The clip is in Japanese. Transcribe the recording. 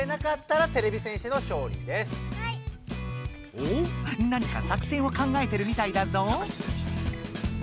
おっ何か作戦を考えてるみたいだぞ。